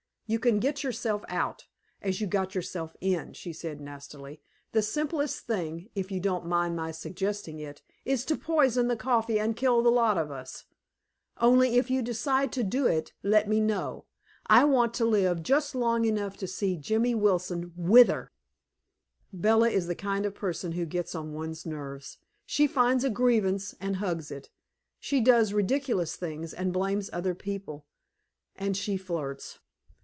You can get yourself out, as you got yourself in," she said nastily. "The simplest thing, if you don't mind my suggesting it, is to poison the coffee and kill the lot of us. Only, if you decide to do it, let me know; I want to live just long enough to see Jimmy Wilson WRITHE!" Bella is the kind of person who gets on one's nerves. She finds a grievance and hugs it; she does ridiculous things and blames other people. And she flirts.